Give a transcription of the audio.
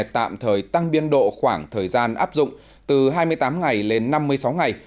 tạm thời tăng biên độ khoảng thời gian áp dụng từ hai mươi tám ngày lên năm mươi sáu ngày